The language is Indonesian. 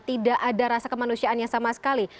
tidak ada rasa kemanusiaan yang sama sekali